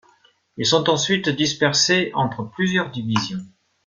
Ils sont ensuite dispersés entre plusieurs divisions.